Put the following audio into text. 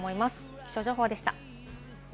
気象情報でした。